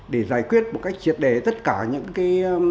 để giải quyết một cách triệt đề tất cả những cái